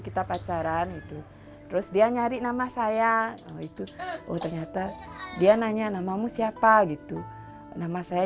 kita pacaran gitu terus dia nyari nama saya itu oh ternyata dia nanya namamu siapa gitu nama saya